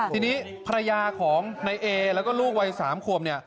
ทีนี้ภรรยาของนายเอแล้วก็ลูกวัย๓ขวบเนี่ย